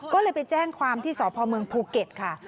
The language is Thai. ก็เลยไปแจ้งความที่สพเมืองภูเก็ตค่ะ